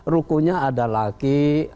rukunya ada laki